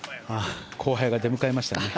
後輩が出迎えましたね。